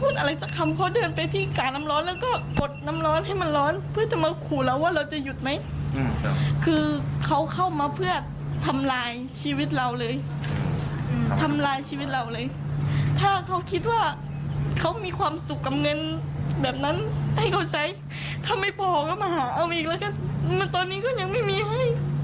ตอนนี้ก็ยังไม่มีให้